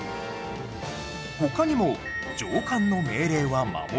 他にも「上官の命令は守れ」